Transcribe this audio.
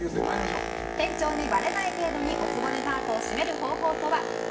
店長にばれない程度にお局パートをシメる方法とは？